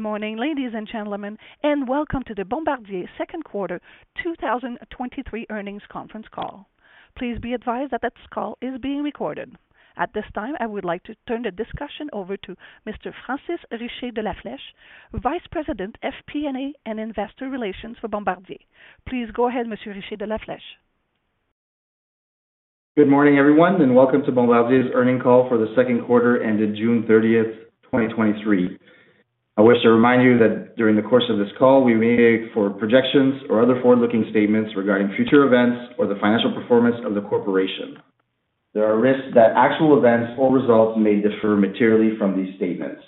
Good morning, ladies and gentlemen, and welcome to the Bombardier's second quarter 2023 earnings conference call. Please be advised that this call is being recorded. At this time, I would like to turn the discussion over to Mr. Francis Richer de la Fleche, Vice President, FP&A, and Investor Relations for Bombardier. Please go ahead, Mr. Richer de la Fleche. Good morning, everyone, and welcome to Bombardier's earnings call for the second quarter ended June 30th, 2023. I wish to remind you that during the course of this call, we may make for projections or other forward-looking statements regarding future events or the financial performance of the corporation. There are risks that actual events or results may differ materially from these statements.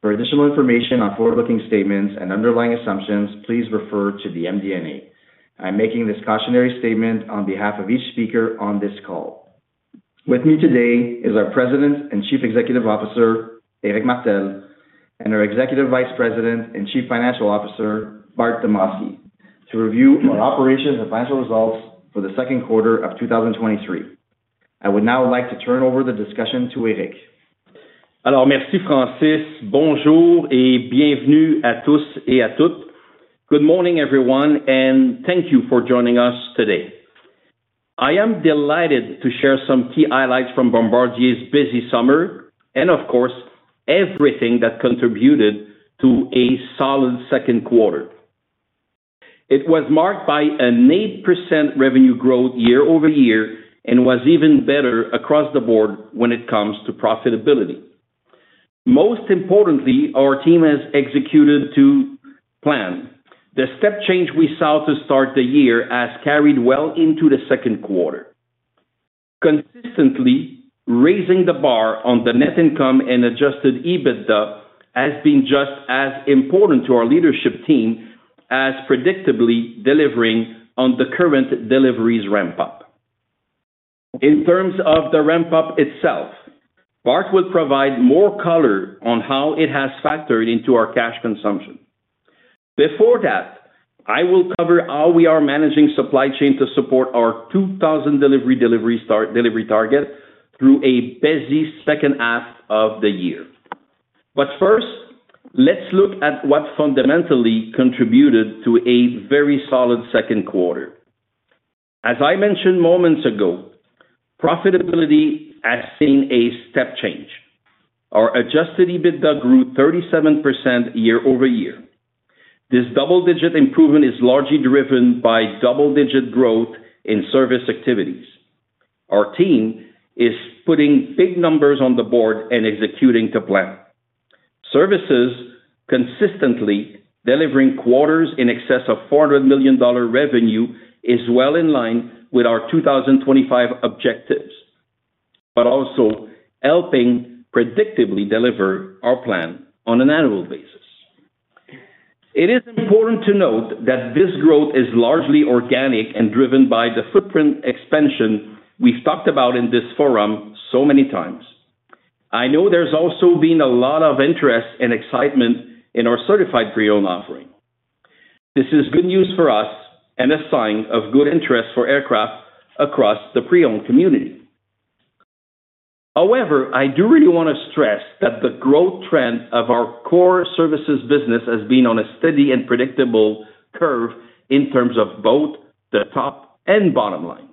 For additional information on forward-looking statements and underlying assumptions, please refer to the MD&A. I'm making this cautionary statement on behalf of each speaker on this call. With me today is our President and Chief Executive Officer, Éric Martel, and our Executive Vice President and Chief Financial Officer, Bart Demosky, to review our operations and financial results for the second quarter of 2023. I would now like to turn over the discussion to Éric. Alors merci, Francis. Bonjour et bienvenue à tous et à toutes. Good morning, everyone, and thank you for joining us today. I am delighted to share some key highlights from Bombardier's busy summer and of course, everything that contributed to a solid second quarter. It was marked by an 8% revenue growth year-over-year and was even better across the board when it comes to profitability. Most importantly, our team has executed to plan. The step change we saw to start the year has carried well into the second quarter. Consistently, raising the bar on the net income and adjusted EBITDA has been just as important to our leadership team as predictably delivering on the current deliveries ramp-up. In terms of the ramp-up itself, Bart will provide more color on how it has factored into our cash consumption. Before that, I will cover how we are managing supply chain to support our 2,000 delivery, delivery start, delivery target through a busy second half of the year. First, let's look at what fundamentally contributed to a very solid second quarter. As I mentioned moments ago, profitability has seen a step change. Our adjusted EBITDA grew 37% year-over-year. This double-digit improvement is largely driven by double-digit growth in service activities. Our team is putting big numbers on the board and executing to plan. Services consistently delivering quarters in excess of $400 million revenue is well in line with our 2025 objectives, but also helping predictably deliver our plan on an annual basis. It is important to note that this growth is largely organic and driven by the footprint expansion we've talked about in this forum so many times. I know there's also been a lot of interest and excitement in our certified pre-owned offering. This is good news for us and a sign of good interest for aircraft across the pre-owned community. I do really want to stress that the growth trend of our core services business has been on a steady and predictable curve in terms of both the top and bottom line.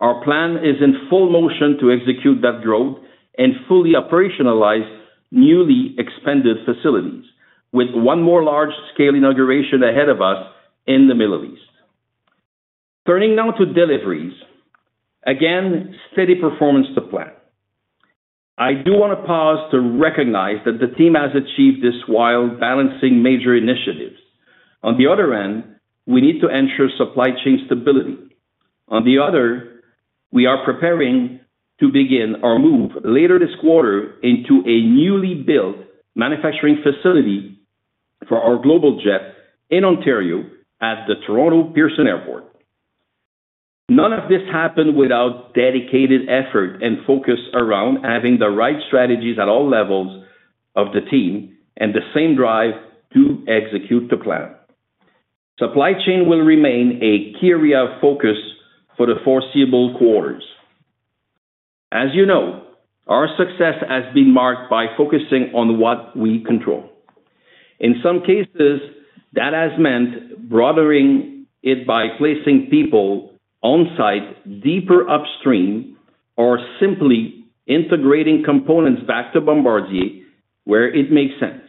Our plan is in full motion to execute that growth and fully operationalize newly expanded facilities, with one more large-scale inauguration ahead of us in the Middle East. Turning now to deliveries. Steady performance to plan. I do want to pause to recognize that the team has achieved this while balancing major initiatives. On the other end, we need to ensure supply chain stability. On the other, we are preparing to begin our move later this quarter into a newly built manufacturing facility for our Global Jet in Ontario at the Toronto Pearson Airport. None of this happened without dedicated effort and focus around having the right strategies at all levels of the team and the same drive to execute the plan. Supply chain will remain a key area of focus for the foreseeable quarters. As you know, our success has been marked by focusing on what we control. In some cases, that has meant broadening it by placing people on site deeper upstream, or simply integrating components back to Bombardier, where it makes sense.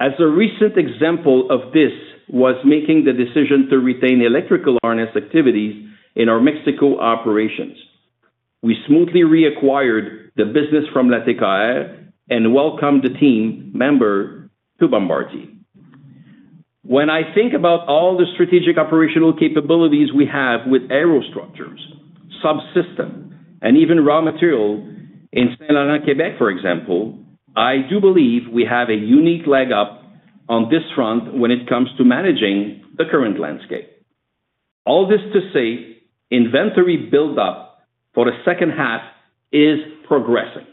As a recent example of this was making the decision to retain electrical harness activities in our Mexico operations. We smoothly reacquired the business from Latécoère and welcomed the team member to Bombardier. When I think about all the strategic operational capabilities we have with aerostructures, subsystem, and even raw material in Saint-Laurent, Quebec, for example, I do believe we have a unique leg up on this front when it comes to managing the current landscape. All this to say, inventory buildup for the second half is progressing.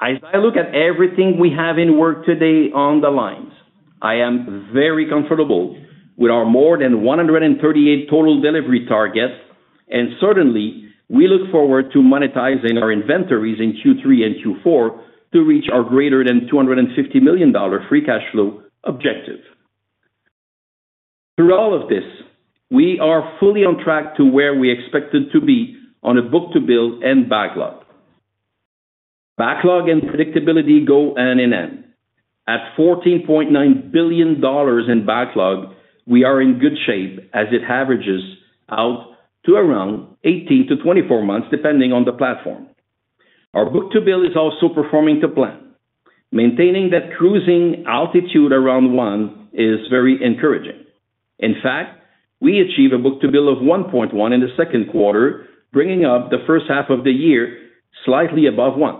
As I look at everything we have in work today on the lines. I am very comfortable with our more than 138 total delivery targets, and certainly, we look forward to monetizing our inventories in Q3 and Q4 to reach our greater than $250 million free cash flow objective. Through all of this, we are fully on track to where we expected to be on a book-to-bill and backlog. Backlog and predictability go hand in hand. At $14.9 billion in backlog, we are in good shape as it averages out to around 18-24 months, depending on the platform. Our book-to-bill is also performing to plan. Maintaining that cruising altitude around one is very encouraging. In fact, we achieve a book-to-bill of 1.1 in the second quarter, bringing up the first half of the year slightly above 1.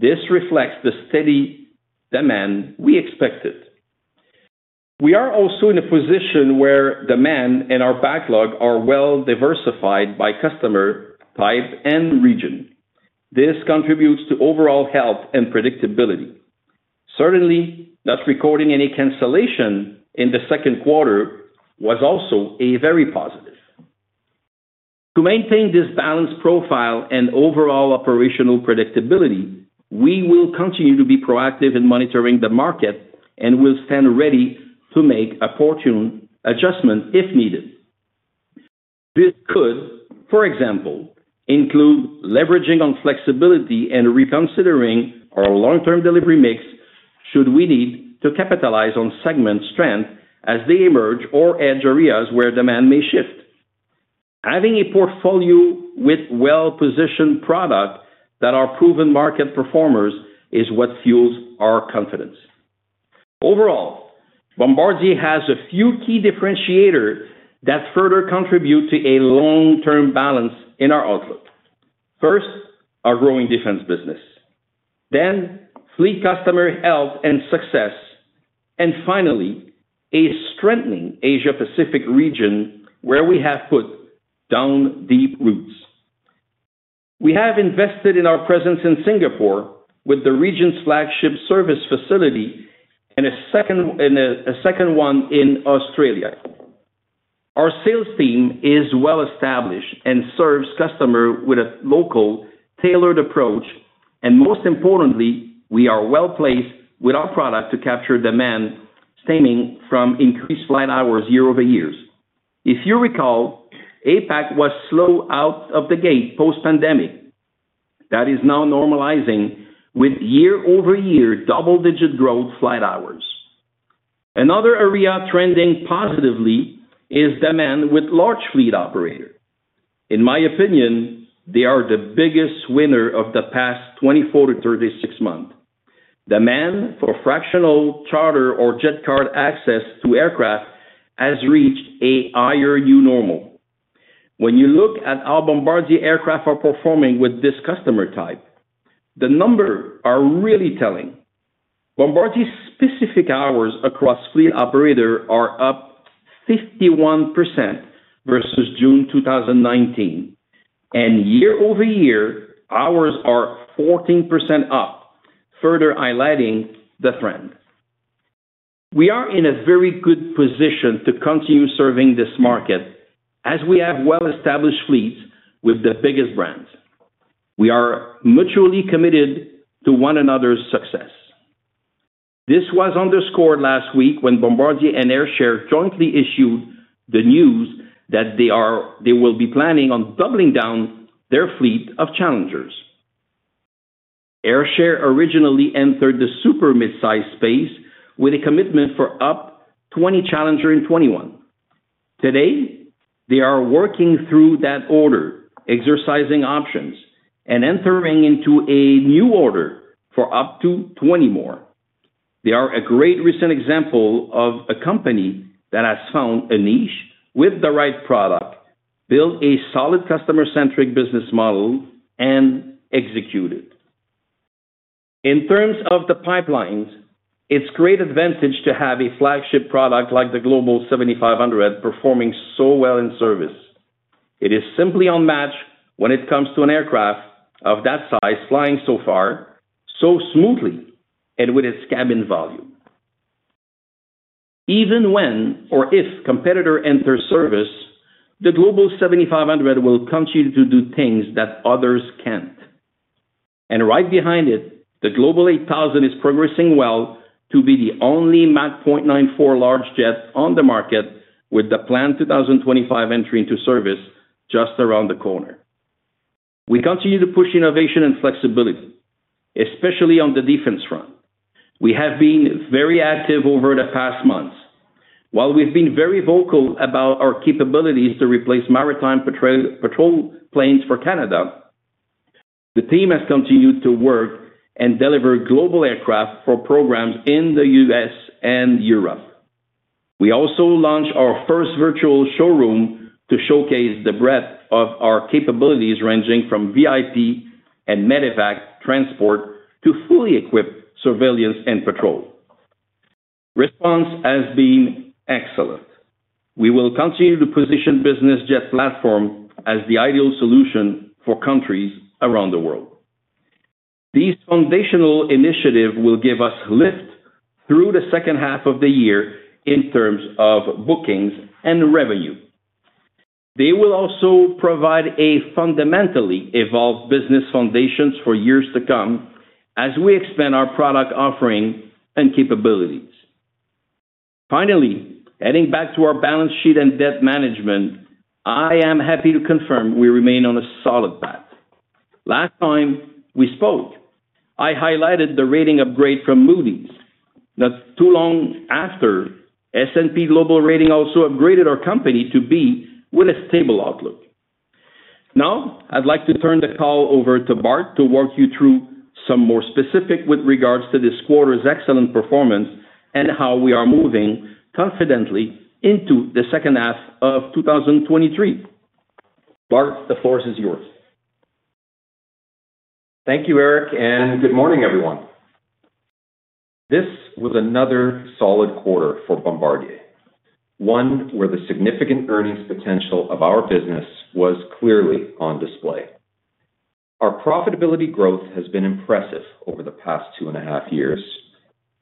This reflects the steady demand we expected. We are also in a position where demand and our backlog are well-diversified by customer, type, and region. This contributes to overall health and predictability. Certainly, not recording any cancellation in the second quarter was also a very positive. To maintain this balanced profile and overall operational predictability, we will continue to be proactive in monitoring the market and will stand ready to make a further adjustment if needed. This could, for example, include leveraging on flexibility and reconsidering our long-term delivery mix, should we need to capitalize on segment strength as they emerge or edge areas where demand may shift. Having a portfolio with well-positioned product that are proven market performers is what fuels our confidence. Overall, Bombardier has a few key differentiators that further contribute to a long-term balance in our outlook. First, our growing defense business, then fleet customer health and success, and finally, a strengthening Asia-Pacific region where we have put down deep roots. We have invested in our presence in Singapore with the region's flagship service facility and a second, a second one in Australia. Our sales team is well-established and serves customers with a local, tailored approach, and most importantly, we are well-placed with our product to capture demand stemming from increased flight hours year-over-year. If you recall, APAC was slow out of the gate post-pandemic. That is now normalizing with year-over-year double-digit growth flight hours. Another area trending positively is demand with large fleet operator. In my opinion, they are the biggest winner of the past 24-36 months. Demand for fractional charter or jet card access to aircraft has reached a higher new normal. When you look at how Bombardier aircraft are performing with this customer type, the number are really telling. Bombardier's specific hours across fleet operator are up 51% versus June 2019, and year-over-year, hours are 14% up, further highlighting the trend. We are in a very good position to continue serving this market, as we have well-established fleets with the biggest brands. We are mutually committed to one another's success. This was underscored last week when Bombardier and Airshare jointly issued the news that they will be planning on doubling down their fleet of Challengers. Airshare originally entered the super-midsize space with a commitment for up to 20 Challenger in 2021. Today, they are working through that order, exercising options, and entering into a new order for up to 20 more. They are a great recent example of a company that has found a niche with the right product, built a solid customer-centric business model, and executed. In terms of the pipelines, it's great advantage to have a flagship product like the Global 7500 performing so well in service. It is simply unmatched when it comes to an aircraft of that size, flying so far, so smoothly, and with its cabin volume. Even when or if competitors enter service, the Global 7500 will continue to do things that others can't. Right behind it, the Global 8000 is progressing well to be the only Mach 0.94 large jet on the market, with the planned 2025 entry into service just around the corner. We continue to push innovation and flexibility, especially on the defense front. We have been very active over the past months. While we've been very vocal about our capabilities to replace maritime patrol, patrol planes for Canada, the team has continued to work and deliver Global aircraft for programs in the U.S. and Europe. We also launched our first virtual showroom to showcase the breadth of our capabilities, ranging from VIP and medevac transport to fully equipped surveillance and patrol. Response has been excellent. We will continue to position business jet platform as the ideal solution for countries around the world. These foundational initiatives will give us lift through the second half of the year in terms of bookings and revenue. They will also provide a fundamentally evolved business foundations for years to come as we expand our product offering and capabilities. Heading back to our balance sheet and debt management, I am happy to confirm we remain on a solid path. Last time we spoke, I highlighted the rating upgrade from Moody's. Not too long after, S&P Global Ratings also upgraded our company to B with a stable outlook. I'd like to turn the call over to Bart to walk you through some more specific with regards to this quarter's excellent performance and how we are moving confidently into the second half of 2023. Bart, the floor is yours. Thank you, Éric, and good morning, everyone. This was another solid quarter for Bombardier, one where the significant earnings potential of our business was clearly on display. Our profitability growth has been impressive over the past 2.5 years,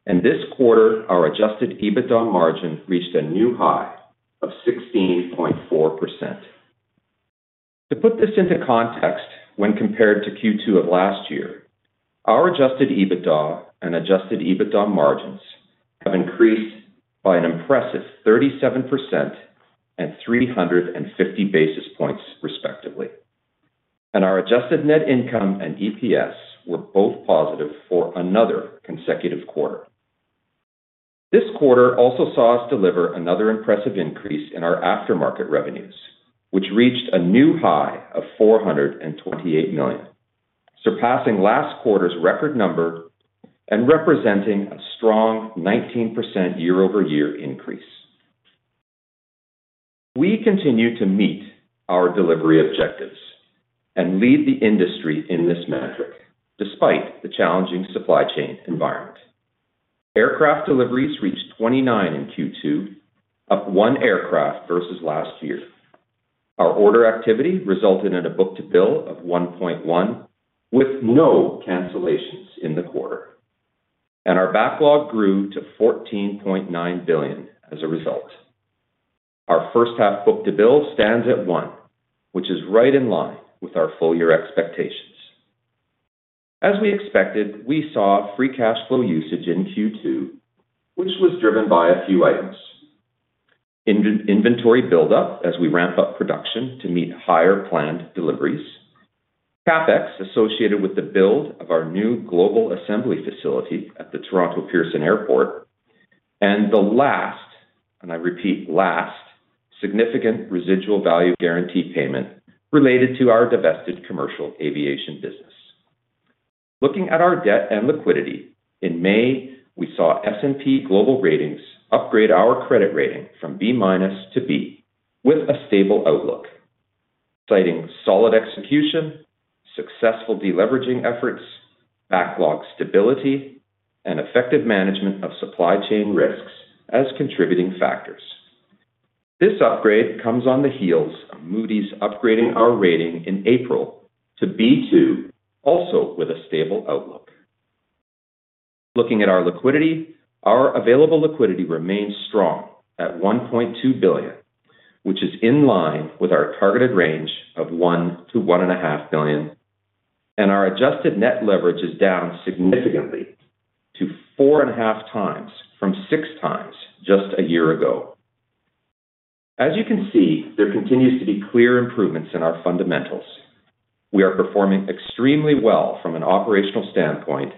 and this quarter, our adjusted EBITDA margin reached a new high of 16.4%. To put this into context, when compared to Q2 of last year, our adjusted EBITDA and adjusted EBITDA margins have increased by an impressive 37% and 350 basis points, respectively. Our Adjusted net income and EPS were both positive for another consecutive quarter. This quarter also saw us deliver another impressive increase in our aftermarket revenues, which reached a new high of $428 million, surpassing last quarter's record number and representing a strong 19% year-over-year increase. We continue to meet our delivery objectives and lead the industry in this metric despite the challenging supply chain environment. Aircraft deliveries reached 29 in Q2, up one aircraft versus last year. Our order activity resulted in a book-to-bill of 1.1, with no cancellations in the quarter, and our backlog grew to $14.9 billion as a result. Our first half book-to-bill stands at 1, which is right in line with our full year expectations. As we expected, we saw free cash flow usage in Q2, which was driven by a few items: inventory buildup as we ramp up production to meet higher planned deliveries, CapEx associated with the build of our new global assembly facility at the Toronto Pearson Airport, and the last, and I repeat, last, significant residual value guarantee payment related to our divested commercial aviation business. Looking at our debt and liquidity, in May, we saw S&P Global Ratings upgrade our credit rating from B- to B, with a stable outlook, citing solid execution, successful deleveraging efforts, backlog stability, and effective management of supply chain risks as contributing factors. This upgrade comes on the heels of Moody's upgrading our rating in April to B2, also with a stable outlook. Looking at our liquidity, our available liquidity remains strong at $1.2 billion, which is in line with our targeted range of $1 billion-$1.5 billion, and our adjusted net leverage is down significantly to 4.5 times from 6 times just a year ago. As you can see, there continues to be clear improvements in our fundamentals. We are performing extremely well from an operational standpoint,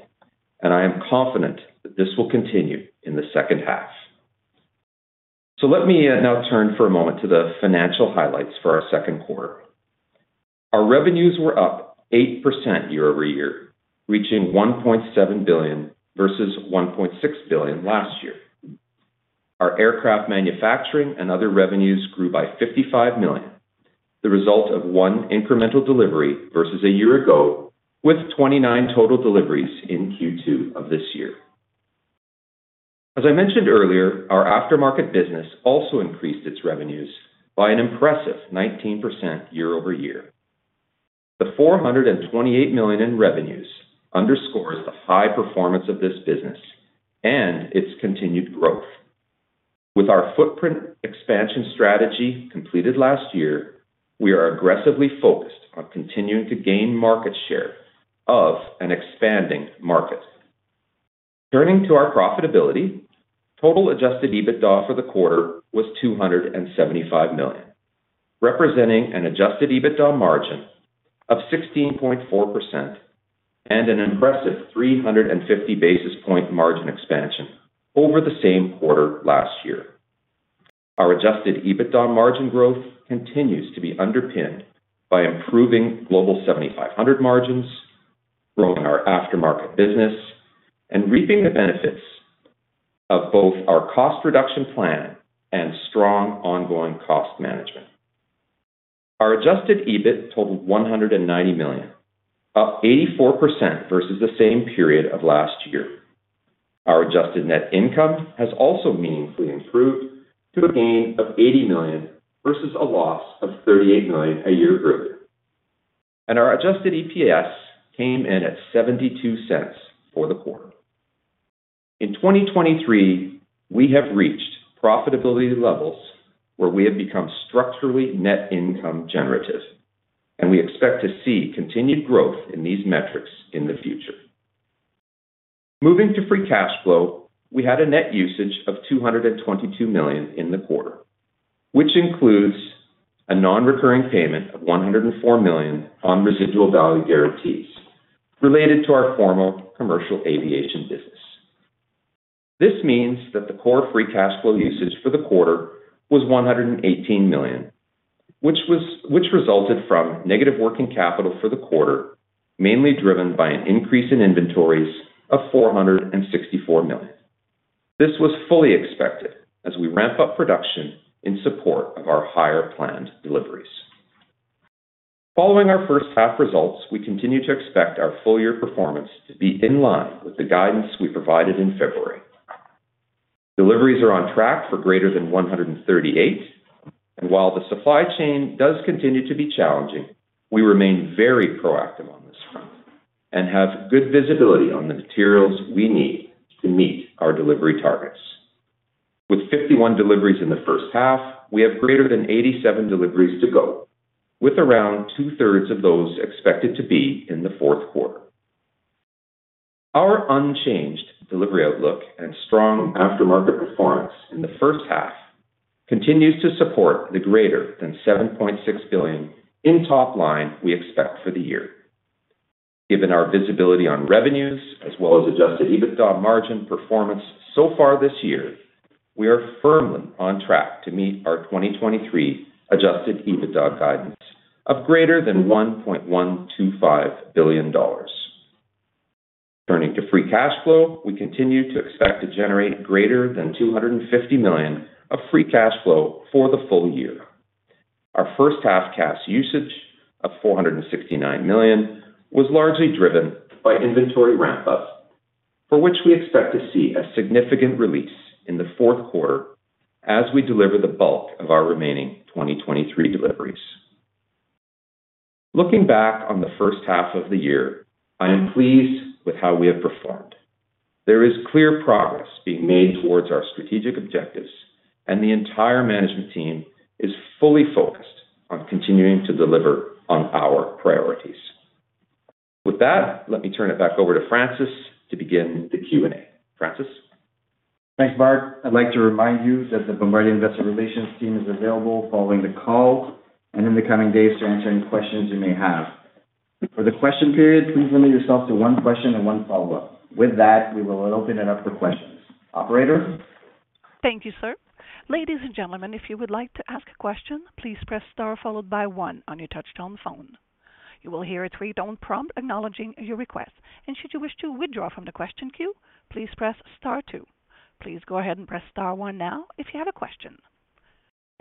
and I am confident that this will continue in the second half. Let me now turn for a moment to the financial highlights for our second quarter. Our revenues were up 8% year-over-year, reaching $1.7 billion versus $1.6 billion last year. Our aircraft manufacturing and other revenues grew by $55 million, the result of one incremental delivery versus a year ago, with 29 total deliveries in Q2 of this year. As I mentioned earlier, our aftermarket business also increased its revenues by an impressive 19% year-over-year. The $428 million in revenues underscores the high performance of this business and its continued growth. With our footprint expansion strategy completed last year, we are aggressively focused on continuing to gain market share of an expanding market. Turning to our profitability, total adjusted EBITDA for the quarter was $275 million, representing an adjusted EBITDA margin of 16.4% and an impressive 350 basis point margin expansion over the same quarter last year. Our adjusted EBITDA margin growth continues to be underpinned by improving Global 7500 margins, growing our aftermarket business, and reaping the benefits of both our cost reduction plan and strong ongoing cost management. Our adjusted EBIT totaled $190 million, up 84% versus the same period of last year. Our adjusted net income has also meaningfully improved to a gain of $80 million, versus a loss of $38 million a year earlier. Our adjusted EPS came in at $0.72 for the quarter. In 2023, we have reached profitability levels where we have become structurally net income generative. We expect to see continued growth in these metrics in the future. Moving to free cash flow, we had a net usage of $222 million in the quarter, which includes a non-recurring payment of $104 million on residual value guarantees related to our former commercial aviation business. This means that the core free cash flow usage for the quarter was $118 million, which resulted from negative working capital for the quarter, mainly driven by an increase in inventories of $464 million. This was fully expected as we ramp up production in support of our higher planned deliveries. Following our first half results, we continue to expect our full year performance to be in line with the guidance we provided in February. Deliveries are on track for greater than 138, and while the supply chain does continue to be challenging, we remain very proactive on this front and have good visibility on the materials we need to meet our delivery targets. With 51 deliveries in the first half, we have greater than 87 deliveries to go, with around two-thirds of those expected to be in the fourth quarter. Our unchanged delivery outlook and strong aftermarket performance in the first half continues to support the greater than $7.6 billion in top line we expect for the year. Given our visibility on revenues, as well as adjusted EBITDA margin performance so far this year, we are firmly on track to meet our 2023 adjusted EBITDA guidance of greater than $1.125 billion. Turning to free cash flow, we continue to expect to generate greater than $250 million of free cash flow for the full year. Our first half cash usage of $469 million was largely driven by inventory ramp-up, for which we expect to see a significant release in the fourth quarter as we deliver the bulk of our remaining 2023 deliveries. Looking back on the first half of the year, I am pleased with how we have performed. There is clear progress being made towards our strategic objectives, and the entire management team is fully focused on continuing to deliver on our priorities. With that, let me turn it back over to Francis to begin the Q&A. Francis? Thanks, Mark. I'd like to remind you that the Bombardier Investor Relations team is available following the call and in the coming days to answer any questions you may have. For the question period, please limit yourself to one question and one follow-up. With that, we will open it up for questions. Operator? Thank you, sir. Ladies and gentlemen, if you would like to ask a question, please press star followed by one on your touchtone phone. You will hear a 3-tone prompt acknowledging your request, and should you wish to withdraw from the question queue, please press star two. Please go ahead and press star one now if you have a question.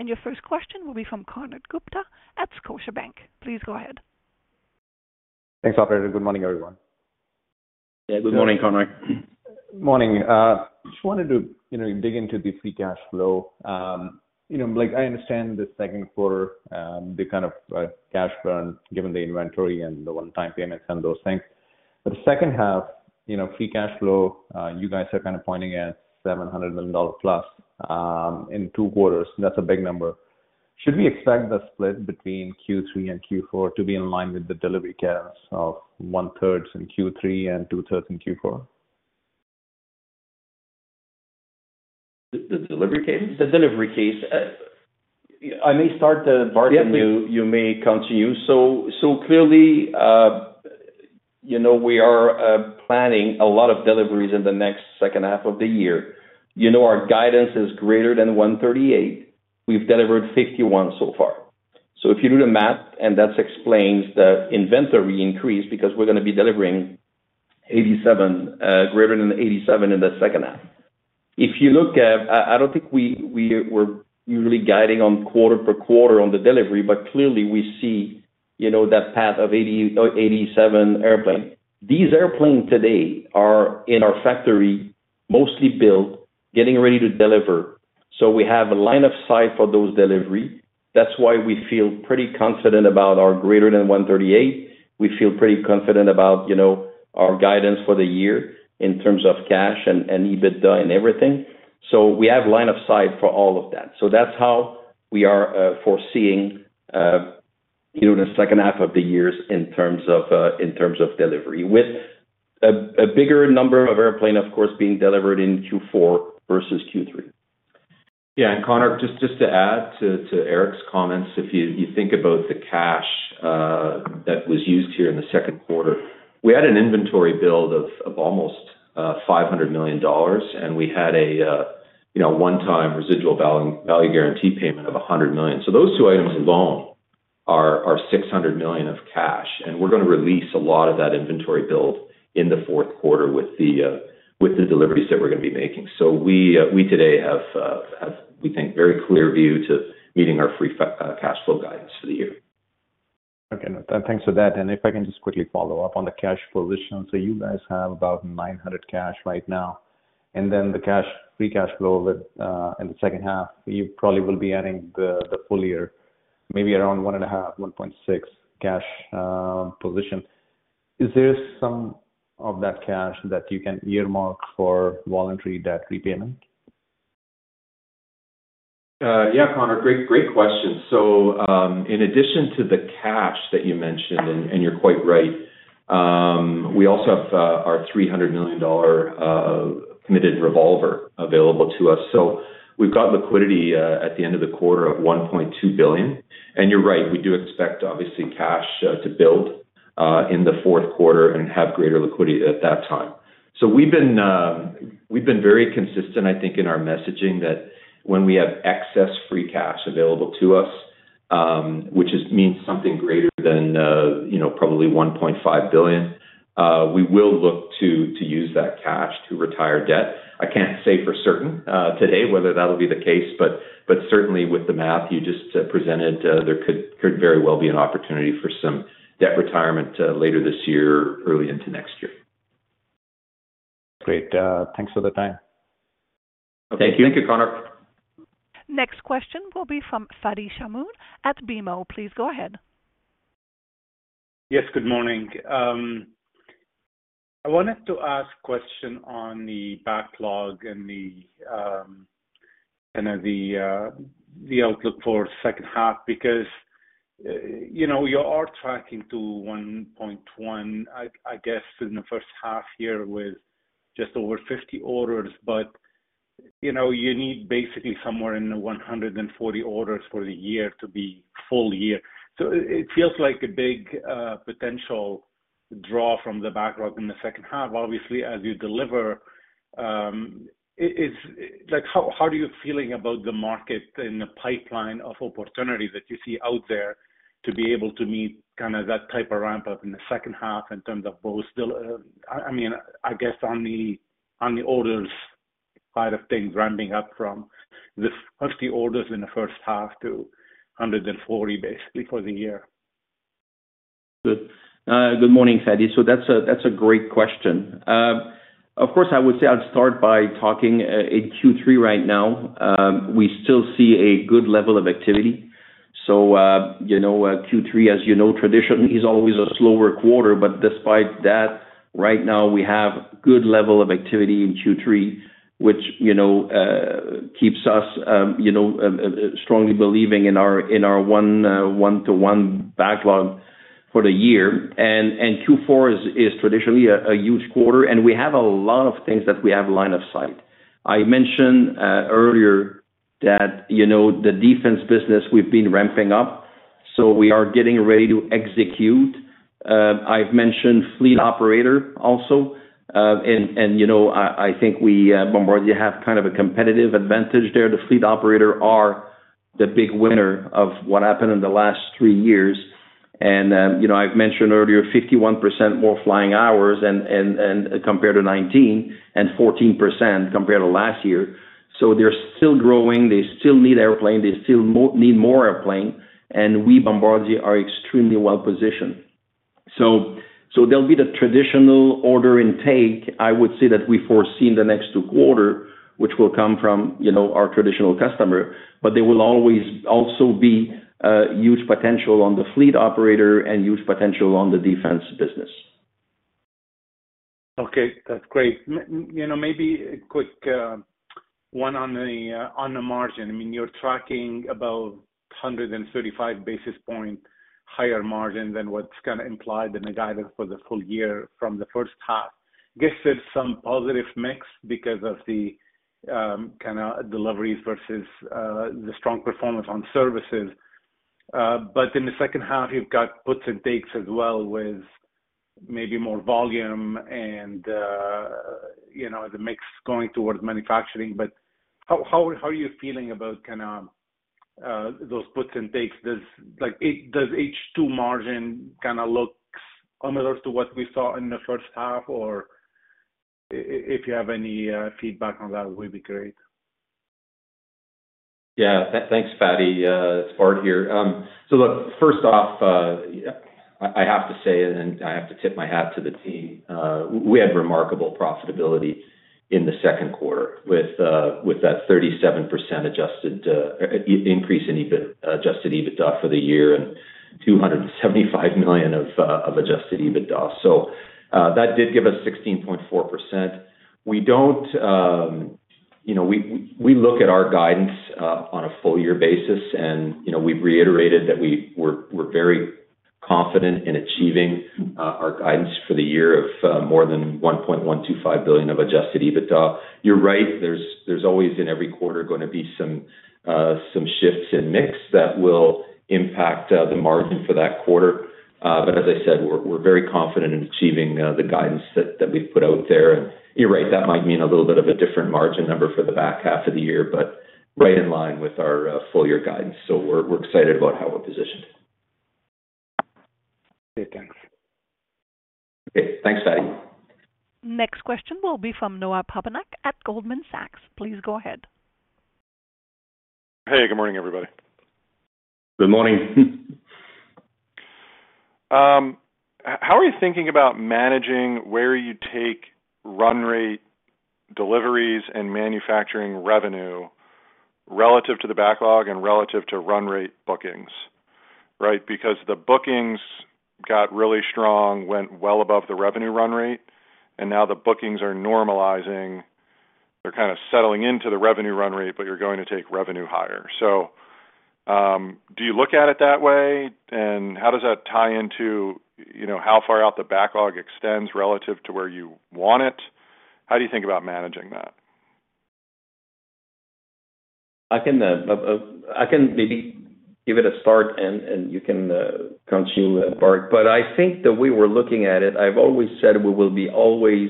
Your first question will be from Konark Gupta at Scotiabank. Please go ahead. Thanks, operator. Good morning, everyone. Yeah, good morning, Konark. Morning. Just wanted to, you know, dig into the free cash flow. You know, like, I understand the second quarter, the kind of, cash burn, given the inventory and the one-time payments and those things. The second half, you know, free cash flow, you guys are kind of pointing at $700 million+ in two quarters. That's a big number. Should we expect the split between Q3 and Q4 to be in line with the delivery case of 1/3 in Q3 and 2/3 in Q4? The delivery case? The delivery case. I may start, Bart, and you may continue. Clearly, you know, we are planning a lot of deliveries in the next second half of the year. You know, our guidance is greater than 138. We've delivered 51 so far. If you do the math, and that's explains the inventory increase, because we're going to be delivering 87, greater than 87 in the second half. If you look at, I don't think we were usually guiding on quarter per quarter on the delivery, clearly we see, you know, that path of 87 airplane. These airplanes today are in our factory, mostly built, getting ready to deliver. We have a line of sight for those delivery. That's why we feel pretty confident about our greater than 138. We feel pretty confident about, you know, our guidance for the year in terms of cash and EBITDA and everything. We have line of sight for all of that. That's how we are foreseeing, you know, the second half of the years in terms of, in terms of delivery, with a, a bigger number of airplane, of course, being delivered in Q4 versus Q3. Yeah, Konark, just to add to Éric's comments, if you think about the cash that was used here in the second quarter, we had an inventory build of almost $500 million, and we had a, you know, one-time residual value guarantee payment of $100 million. Those two items alone are $600 million of cash, and we're going to release a lot of that inventory build in the fourth quarter with the deliveries that we're going to be making. We today have, we think, very clear view to meeting our free cash flow guidance for the year. Okay, thanks for that. If I can just quickly follow up on the cash position. So you guys have about $900 million cash right now, and then the cash, free cash flow with in the second half, you probably will be adding the, the full year, maybe around $1.5 billion-$1.6 billion cash position. Is there some of that cash that you can earmark for voluntary debt repayment? Yeah, Konark, great, great question. In addition to the cash that you mentioned, and, and you're quite right, we also have our $300 million committed revolver available to us. We've got liquidity at the end of the quarter of $1.2 billion. You're right, we do expect, obviously, cash to build in the fourth quarter and have greater liquidity at that time. We've been very consistent, I think, in our messaging, that when we have excess free cash available to us, which means something greater than, you know, probably $1.5 billion, we will look to use that cash to retire debt. I can't say for certain today whether that'll be the case, but, but certainly with the math you just presented, there could, could very well be an opportunity for some debt retirement later this year or early into next year. Great. Thanks for the time. Thank you. Thank you, Konark. Next question will be from Fadi Chamoun at BMO. Please go ahead. Yes, good morning. I wanted to ask question on the backlog and the kind of the outlook for second half, because, you know, you are tracking to 1.1, I guess, in the first half year with just over 50 orders. You know, you need basically somewhere in the 140 orders for the year to be full year. It feels like a big potential draw from the backlog in the second half. Obviously, as you deliver, it is... Like, how are you feeling about the market and the pipeline of opportunity that you see out there to be able to meet kind of that type of ramp up in the second half in terms of both still, I mean, I guess on the, on the orders side of things, ramping up from the 50 orders in the first half to 140, basically, for the year? Good. Good morning, Fadi. That's a, that's a great question. Of course, I would say I'd start by talking in Q3 right now. We still see a good level of activity. You know, Q3, as you know, traditionally is always a slower quarter, but despite that, right now we have good level of activity in Q3, which, you know, keeps us, you know, strongly believing in our, in our one-to-one backlog for the year. Q4 is, is traditionally a, a huge quarter, and we have a lot of things that we have line of sight. I mentioned earlier that, you know, the defense business we've been ramping up, so we are getting ready to execute. I've mentioned fleet operator also. You know, I think we, Bombardier have kind of a competitive advantage there. The fleet operator are the big winner of what happened in the last three years. You know, I've mentioned earlier, 51% more flying hours compared to 2019, and 14% compared to last year. They're still growing. They still need airplane, they still need more airplane, and we, Bombardier, are extremely well positioned. There'll be the traditional order intake. I would say that we foresee in the next two quarters, which will come from, you know, our traditional customer, but there will always also be a huge potential on the fleet operator and huge potential on the defense business. Okay, that's great. You know, maybe a quick one on the margin. I mean, you're tracking about 135 basis point higher margin than what's kind of implied in the guidance for the full year from the first half. Guess there's some positive mix because of the kind of deliveries versus the strong performance on services. But in the second half you've got puts and takes as well, with maybe more volume and, you know, the mix going towards manufacturing. But how are you feeling about kind of those puts and takes? Like, does H2 margin kind of look similar to what we saw in the first half? Or if you have any feedback on that, would be great. Yeah. Thanks, Fadi. It's Bart here. So look, first off, I, I have to say, and I have to tip my hat to the team, we had remarkable profitability in the second quarter with that 37% adjusted increase in EBIT, adjusted EBITDA for the year and $275 million of adjusted EBITDA. That did give us 16.4%. We don't, you know, we, we look at our guidance on a full year basis, and, you know, we've reiterated that we we're, we're very confident in achieving our guidance for the year of more than $1.125 billion of adjusted EBITDA. You're right, there's, there's always, in every quarter, going to be some, some shifts in mix that will impact, the margin for that quarter. As I said, we're very confident in achieving, the guidance that, that we've put out there. You're right, that might mean a little bit of a different margin number for the back half of the year, but right in line with our, full year guidance. We're, we're excited about how we're positioned. Okay, thanks. Okay. Thanks, Fadi. Next question will be from Noah Poponak at Goldman Sachs. Please go ahead. Hey, good morning, everybody. Good morning. How are you thinking about managing where you take run rate deliveries and manufacturing revenue relative to the backlog and relative to run rate bookings, right? The bookings got really strong, went well above the revenue run rate. Now the bookings are normalizing. They're kind of settling into the revenue run rate. You're going to take revenue higher. Do you look at it that way? How does that tie into, you know, how far out the backlog extends relative to where you want it? How do you think about managing that? I can, I can maybe give it a start and, and you can continue, Bart. I think that we were looking at it. I've always said we will be always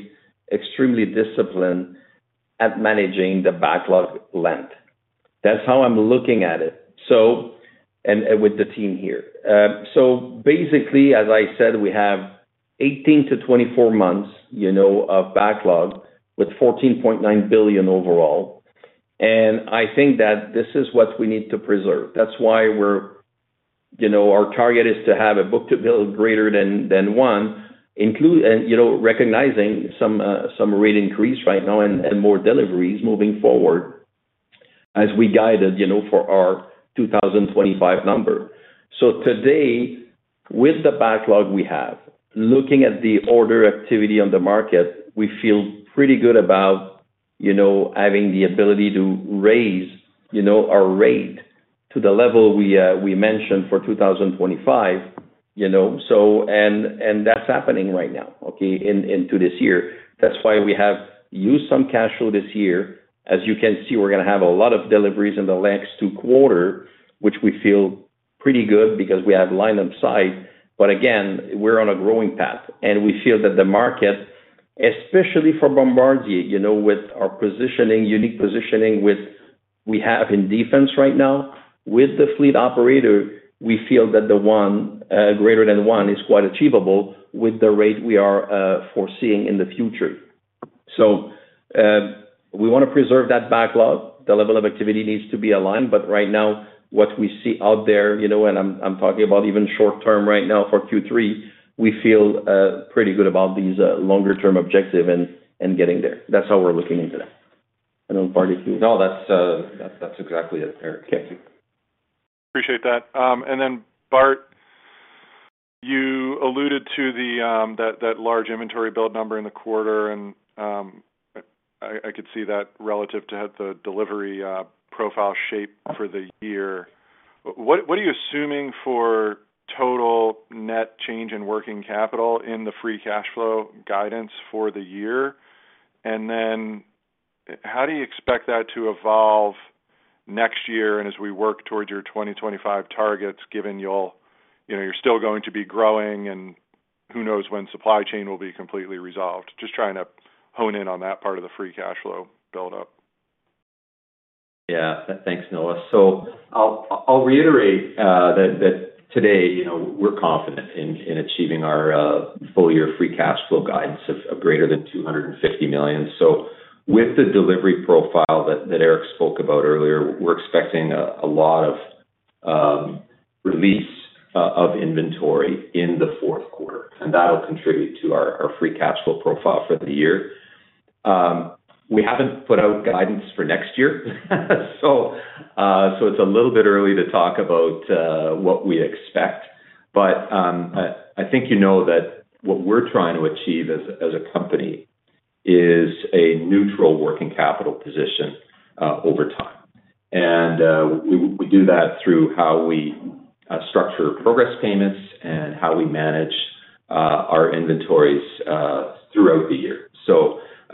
extremely disciplined at managing the backlog length. That's how I'm looking at it, and with the team here. So basically, as I said, we have 18-24 months, you know, of backlog with $14.9 billion overall, and I think that this is what we need to preserve. That's why we're, you know, our target is to have a book-to-bill greater than one, and, you know, recognizing some rate increase right now and, and more deliveries moving forward as we guided, you know, for our 2025 number. Today, with the backlog we have, looking at the order activity on the market, we feel pretty good about, you know, having the ability to raise, you know, our rate to the level we mentioned for 2025. That's happening right now into this year. That's why we have used some cash flow this year. As you can see, we're going to have a lot of deliveries in the next two quarters, which we feel pretty good because we have line of sight. Again, we're on a growing path, and we feel that the market, especially for Bombardier, you know, with our positioning, unique positioning with we have in defense right now, with the fleet operator, we feel that the one greater than one is quite achievable with the rate we are foreseeing in the future. We want to preserve that backlog. The level of activity needs to be aligned, but right now, what we see out there, you know, and I'm talking about even short term right now for Q3, we feel pretty good about these longer term objective and getting there. That's how we're looking into that. I don't know, Bart, if you- No, that's, that's, that's exactly it, Éric. Thank you. Appreciate that. Then, Bart, you alluded to the that large inventory build number in the quarter, and I, I could see that relative to have the delivery profile shape for the year. What, what are you assuming for total net change in working capital in the free cash flow guidance for the year? Then how do you expect that to evolve next year, and as we work towards your 2025 targets, given you'll, you know, you're still going to be growing and who knows when supply chain will be completely resolved? Just trying to hone in on that part of the free cash flow buildup. Yeah. Thanks, Noah. I'll, I'll reiterate that today, you know, we're confident in achieving our full year free cash flow guidance of greater than $250 million. With the delivery profile that Éric spoke about earlier, we're expecting a lot of release of inventory in the fourth quarter, and that'll contribute to our free cash flow profile for the year. We haven't put out guidance for next year, it's a little bit early to talk about what we expect. I think you know that what we're trying to achieve as a company is a neutral working capital position over time. We do that through how we structure progress payments and how we manage our inventories throughout the year.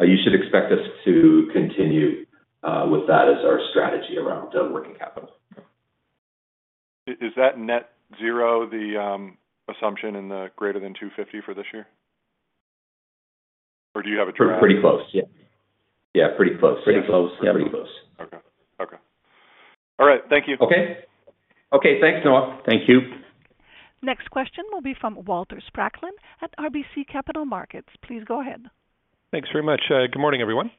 You should expect us to continue with that as our strategy around working capital. Is that net zero, the assumption in the greater than 250 for this year? Or do you have a? Pretty close, yeah. Yeah, pretty close. Pretty close. Yeah, pretty close. Okay. Okay. All right. Thank you. Okay. Okay, thanks, Noah. Thank you. Next question will be from Walter Spracklin at RBC Capital Markets. Please go ahead. Thanks very much. Good morning, everyone.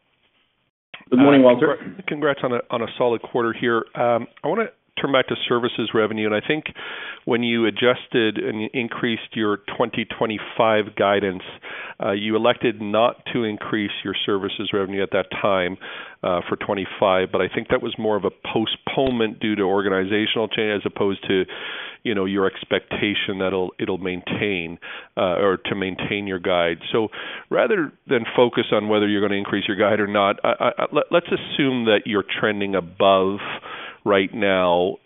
Good morning, Walter. Congrats on a, on a solid quarter here. I want to turn back to services revenue. I think when you adjusted and increased your 2025 guidance, you elected not to increase your services revenue at that time for 2025, but I think that was more of a postponement due to organizational change as opposed to, you know, your expectation that'll maintain or to maintain your guide. Rather than focus on whether you're going to increase your guide or not, let's assume that you're trending above right now,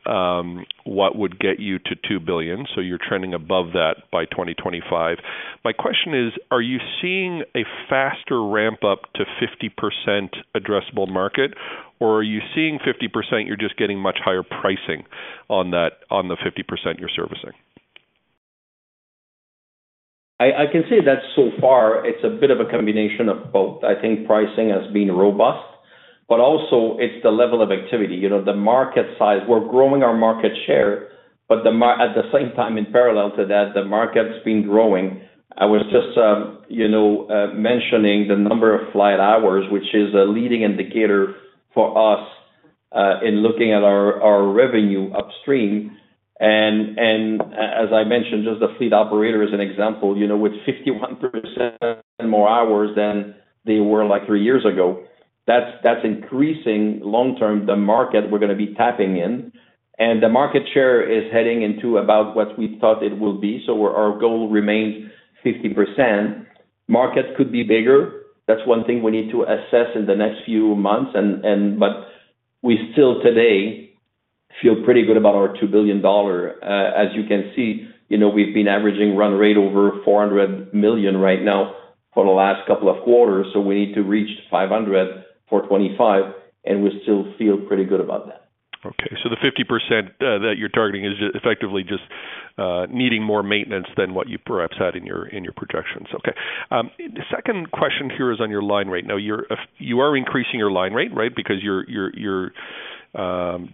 what would get you to $2 billion, so you're trending above that by 2025. My question is: are you seeing a faster ramp up to 50% addressable market, or are you seeing 50%, you're just getting much higher pricing on that, on the 50% you're servicing? I can say that so far, it's a bit of a combination of both. I think pricing has been robust, but also it's the level of activity, you know, the market size. We're growing our market share, but at the same time, in parallel to that, the market's been growing. I was just, you know, mentioning the number of flight hours, which is a leading indicator for us, in looking at our, our revenue upstream. As I mentioned, just the fleet operator as an example, you know, with 51% more hours than they were like three years ago, that's, that's increasing long term, the market we're gonna be tapping in. The market share is heading into about what we thought it will be, so our, our goal remains 50%. Markets could be bigger. That's one thing we need to assess in the next few months but we still today feel pretty good about our $2 billion. As you can see, you know, we've been averaging run rate over $400 million right now for the last couple of quarters, so we need to reach $500 million for 2025, and we still feel pretty good about that. The 50% that you're targeting is effectively just needing more maintenance than what you perhaps had in your, in your projections. Okay. The second question here is on your line rate. You're, you are increasing your line rate, right? Because you're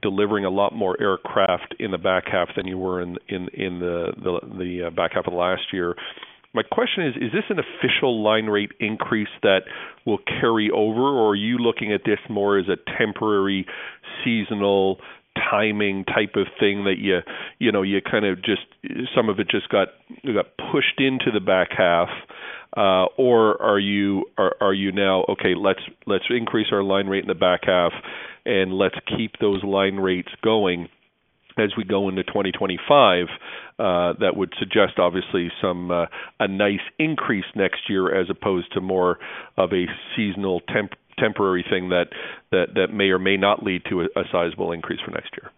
delivering a lot more aircraft in the back half than you were in the back half of last year. My question is, is this an official line rate increase that will carry over, or are you looking at this more as a temporary, seasonal timing type of thing that you, you know, you kind of just some of it just got pushed into the back half? Are you now, "Okay, let's, let's increase our line rate in the back half, and let's keep those line rates going as we go into 2025?" That would suggest, obviously, some nice increase next year, as opposed to more of a seasonal temporary thing that, that, that may or may not lead to a sizable increase for next year.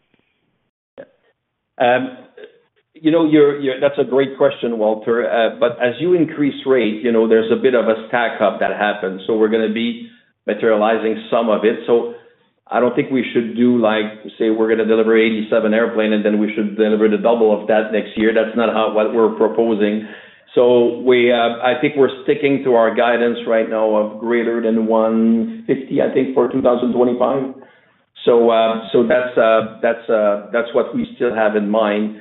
You know, you're, you're-- That's a great question, Walter. As you increase rate, you know, there's a bit of a stack up that happens, so we're gonna be materializing some of it. I don't think we should do, like, say we're gonna deliver 87 airplane, and then we should deliver the double of that next year. That's not how what we're proposing. We, I think we're sticking to our guidance right now of greater than 150, I think, for 2025. That's, that's, that's what we still have in mind.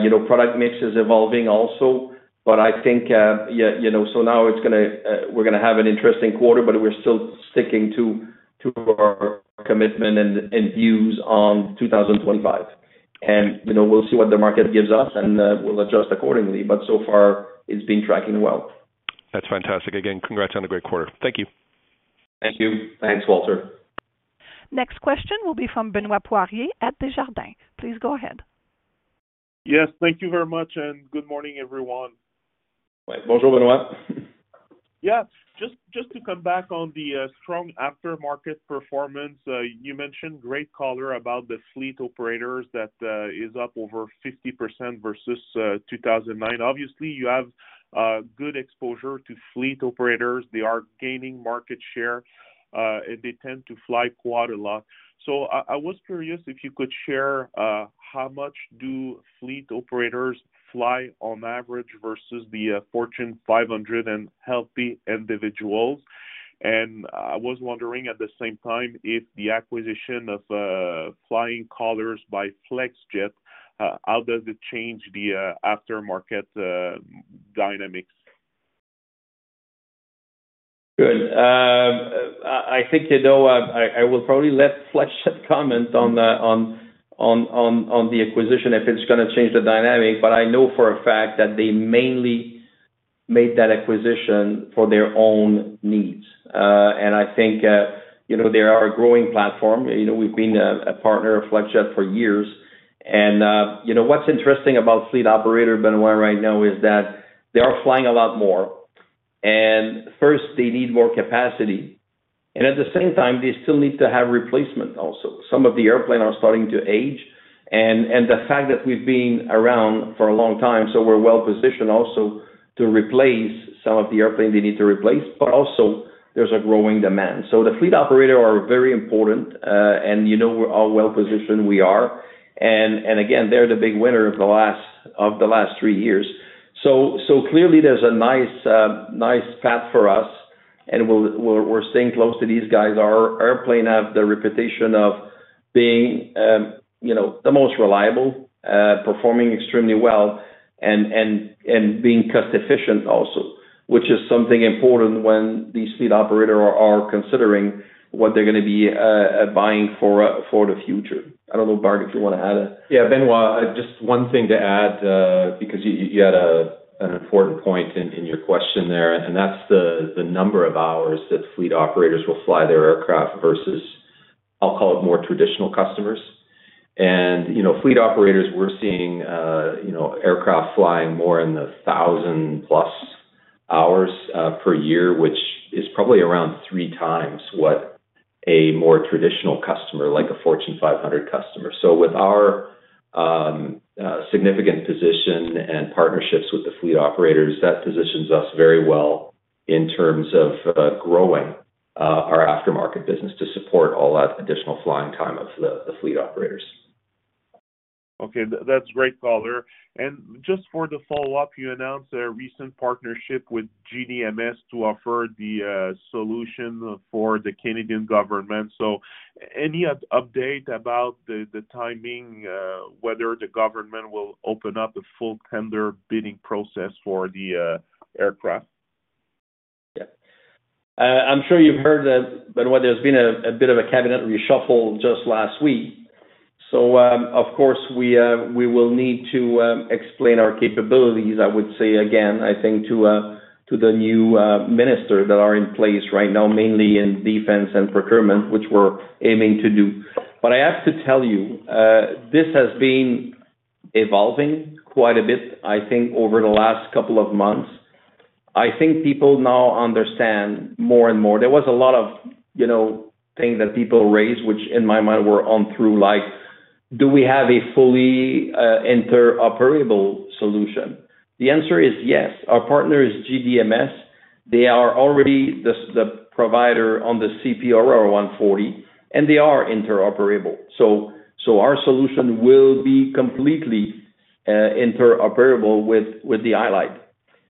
You know, product mix is evolving also, but I think, yeah, you know, so now it's gonna, we're gonna have an interesting quarter, but we're still sticking to, to our commitment and, and views on 2025. You know, we'll see what the market gives us, and we'll adjust accordingly. So far, it's been tracking well. That's fantastic. Again, congrats on a great quarter. Thank you. Thank you. Thanks, Walter. Next question will be from Benoit Poirier at Desjardins. Please go ahead. Yes, thank you very much, and good morning, everyone. Bonjour, Benoit. Yeah. Just, just to come back on the strong aftermarket performance. You mentioned great color about the fleet operators that is up over 50% versus 2009. Obviously, you have good exposure to fleet operators. They are gaining market share, they tend to fly quite a lot. I was curious if you could share how much do fleet operators fly on average versus the Fortune 500 and high-net-worth individuals? I was wondering, at the same time, if the acquisition of Flying Colours by Flexjet, how does it change the aftermarket dynamics? Good. I think, you know, I will probably let Flexjet comment on the acquisition, if it's going to change the dynamic. I know for a fact that they mainly made that acquisition for their own needs. I think, you know, they are a growing platform. You know, we've been a partner of Flexjet for years. You know, what's interesting about fleet operator, Benoit, right now is that they are flying a lot more. First, they need more capacity, and at the same time, they still need to have replacement also. Some of the airplane are starting to age, and the fact that we've been around for a long time, so we're well positioned also to replace some of the airplane they need to replace, but also there's a growing demand. The fleet operator are very important, and you know, we're all well positioned we are. And, and again, they're the big winner of the last, of the last three years. Clearly there's a nice, nice path for us, and we'll, we're staying close to these guys. Our airplane have the reputation of being, you know, the most reliable, performing extremely well and being cost efficient also, which is something important when these fleet operator are, are considering what they're gonna be buying for the future. I don't know, Bart, if you wanna add. Yeah, Benoit, just one thing to add, because you, you had an important point in your question there, and that's the number of hours that fleet operators will fly their aircraft versus, I'll call it more traditional customers. You know, fleet operators, we're seeing, you know, aircraft flying more in the 1,000+ hours per year, which is probably around three times what a more traditional customer, like a Fortune 500 customer. With our significant position and partnerships with the fleet operators, that positions us very well in terms of growing our aftermarket business to support all that additional flying time of the fleet operators. Okay, that's great color. Just for the follow-up, you announced a recent partnership with GDMS to offer the solution for the Canadian government. Any update about the timing, whether the government will open up a full tender bidding process for the aircraft? Yeah. I'm sure you've heard that, there's been a bit of a cabinet reshuffle just last week. Of course, we will need to explain our capabilities, I would say again, I think to the new minister that are in place right now, mainly in defense and procurement, which we're aiming to do. I have to tell you, this has been evolving quite a bit, I think, over the last couple of months. I think people now understand more and more. There was a lot of, you know, things that people raised, which in my mind were on through, like, do we have a fully interoperable solution? The answer is yes. Our partner is GDMS. They are already the provider on the CP-140, and they are interoperable. Our solution will be completely interoperable with the highlight.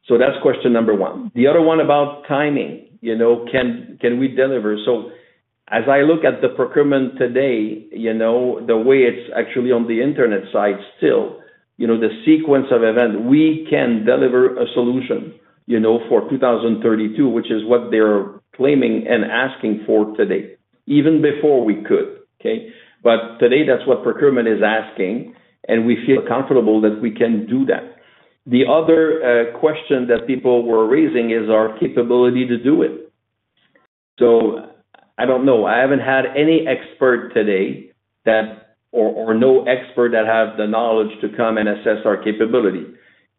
That's question number one. The other one about timing, you know, can, can we deliver? As I look at the procurement today, you know, the way it's actually on the internet side still, you know, the sequence of events, we can deliver a solution, you know, for 2032, which is what they're claiming and asking for today, even before we could, okay? Today, that's what procurement is asking, and we feel comfortable that we can do that. The other question that people were raising is our capability to do it. I don't know. I haven't had any expert today that, or, or no expert that have the knowledge to come and assess our capability.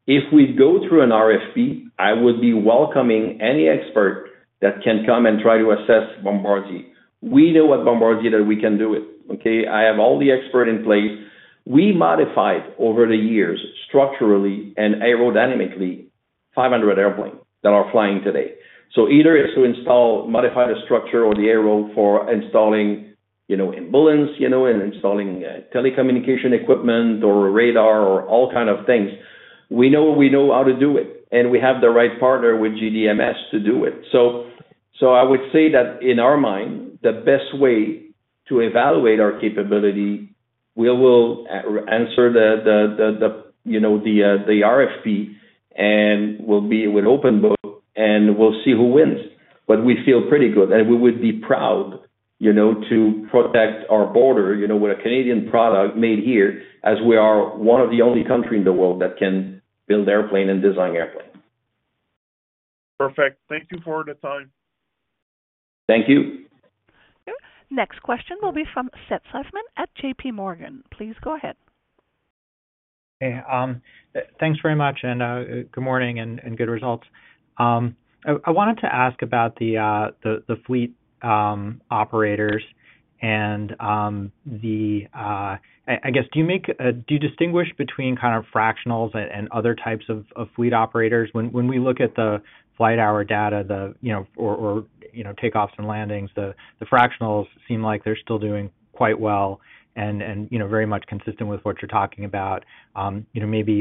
If we go through an RFP, I would be welcoming any expert that can come and try to assess Bombardier. We know at Bombardier that we can do it, okay? I have all the expert in place. We modified over the years, structurally and aerodynamically, 500 airplane that are flying today. either is to install, modify the structure or the aero for installing, you know, ambulance, you know, and installing telecommunication equipment or radar or all kind of things. We know we know how to do it, and we have the right partner with GDMS to do it. so I would say that in our mind, the best way to evaluate our capability, we will answer the, you know, the RFP, and we'll be with open book, and we'll see who wins. We feel pretty good, and we would be proud, you know, to protect our border with a Canadian product made here, as we are one of the only country in the world that can build airplane and design airplane. Perfect. Thank you for the time. Thank you. Next question will be from Seth Seifman at JPMorgan. Please go ahead. Hey, thanks very much, good morning and good results. I wanted to ask about the fleet operators and the. I guess, do you make, do you distinguish between kind of fractionals and other types of fleet operators? When we look at the flight hour data, the takeoffs and landings, the fractionals seem like they're still doing quite well and, you know, very much consistent with what you're talking about. You know, maybe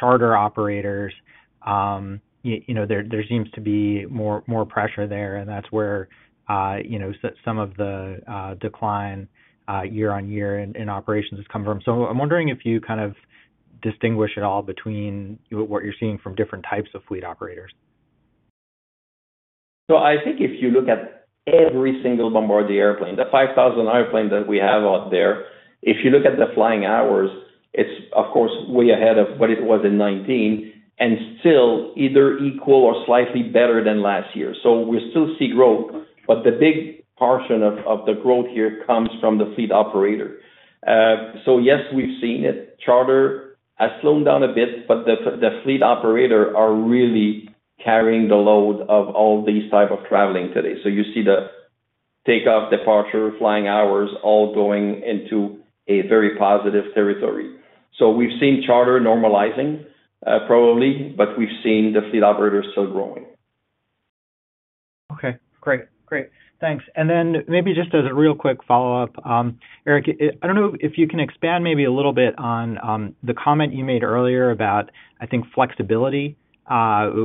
charter operators, you know, there seems to be more, more pressure there, that's where, you know, some of the decline year-on-year in operations has come from. I'm wondering if you kind of distinguish at all between what you're seeing from different types of fleet operators? I think if you look at every single Bombardier airplane, the 5,000 airplane that we have out there, if you look at the flying hours, it's of course, way ahead of what it was in 2019, and still either equal or slightly better than last year. We still see growth, but the big portion of the growth here comes from the fleet operator. Yes, we've seen it. Charter has slowed down a bit, but the fleet operator are really carrying the load of all these type of traveling today. You see the take off, departure, flying hours, all going into a very positive territory. We've seen charter normalizing, probably, but we've seen the fleet operator still growing. Okay, great. Great, thanks. Then maybe just as a real quick follow-up, Éric, I don't know if you can expand maybe a little bit on the comment you made earlier about, I think, flexibility